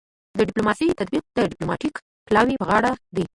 د ډیپلوماسي تطبیق د ډیپلوماتیک پلاوي په غاړه دی